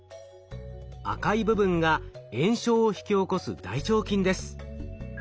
赤い部分が炎症を引き起こす大腸菌です。